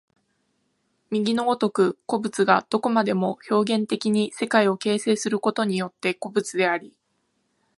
右の如く個物がどこまでも表現的に世界を形成することによって個物であり、